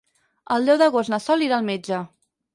El deu d'agost na Sol irà al metge.